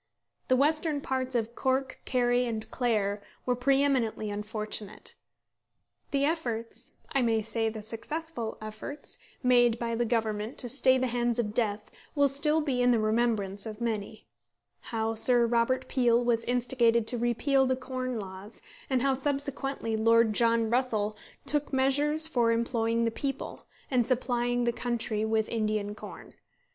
The western parts of Cork, Kerry, and Clare were pre eminently unfortunate. The efforts I may say the successful efforts made by the Government to stay the hands of death will still be in the remembrance of many: how Sir Robert Peel was instigated to repeal the Corn Laws; and how, subsequently, Lord John Russell took measures for employing the people, and supplying the country with Indian corn.